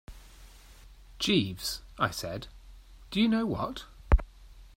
"Jeeves," I said, "do you know what?"